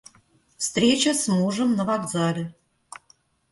Встреча с мужем на вокзале.